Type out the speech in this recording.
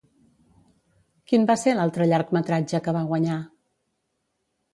Quin va ser l'altre llargmetratge que va guanyar?